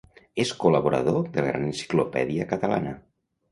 És col·laborador de la Gran Enciclopèdia Catalana.